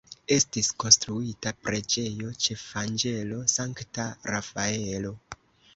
Estis konstruita preĝejo ĉefanĝelo Sankta Rafaelo.